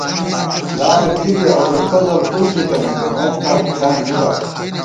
لامہ تھی بی ابوالفضل فُس دِتِنہ ، جمائید فار کی تان دِبا